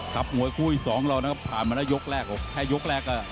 มวยคู่อีกสองเรานะครับผ่านมาได้ยกแรกแค่ยกแรกก็